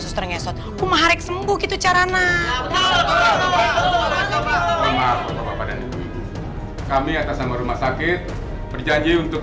suster nyesot lumah rick sembuh gitu caranah apa apa dan itu kami akan sama rumah sakit berjanji untuk